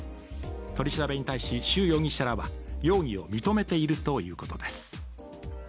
取り調べに対し朱容疑者らは容疑を認めているということです。